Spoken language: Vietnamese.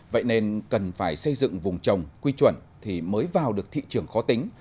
vậy nên cần phải xây dựng vùng trồng quy chuẩn thì mới vào được thị trường khó tính